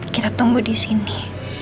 kita tunggu disini